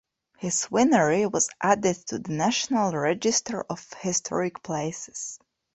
His winery was added to the National Register of Historic Places.